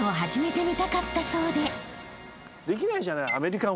できないじゃない。